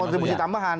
ya kontribusi tambahan